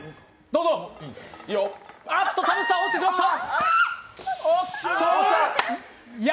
あっと田渕さん、落ちてしまった！